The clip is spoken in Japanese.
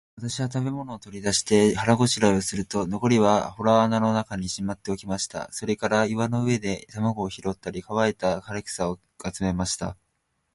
私は食物を取り出して、腹ごしらえをすると、残りは洞穴の中にしまっておきました。それから岩の上で卵を拾ったり、乾いた枯草を集めました。